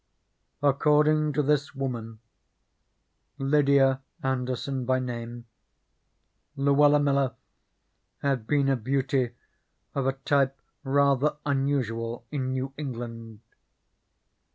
According to this woman, Lydia Anderson by name, Luella Miller had been a beauty of a type rather unusual in New England.